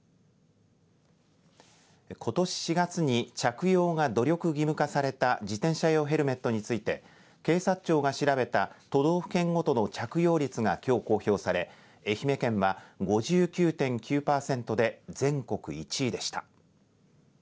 ことし４月に着用が努力義務化された自転車用ヘルメットについて警察庁が調べた都道府県ごとの着用率がきょう公表され愛媛県は５９．９パーセントで全国１位でした。